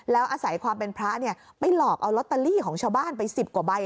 แล้วอาศัยความเป็นพระไปหลอกเอาลอตเตอรี่ของชาวบ้านไป๑๐กว่าใบ